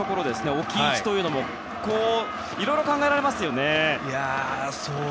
置く位置というのもいろいろ考えられますね。